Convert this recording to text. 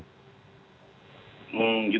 hmm gitu ya